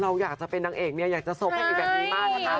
เราอยากจะเป็นนางเอกอยากจะโซคให้แบบนี้มาก